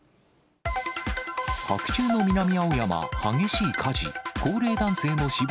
白昼の南青山、激しい火事。